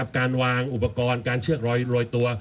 การวางอุปกรณ์การเชือกรอยตัว